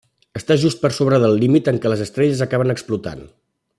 Està just per sobre del límit en què les estrelles acaben explotant.